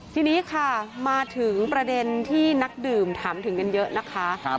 ทีนี้ค่ะมาถึงประเด็นที่นักดื่มถามถึงกันเยอะนะคะ